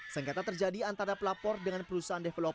sengketa terjadi antara pelapor dengan perusahaan developer